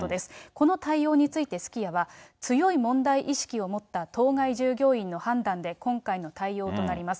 この対応について、すき家は、強い問題意識を持った当該従業員の判断で今回の対応となります。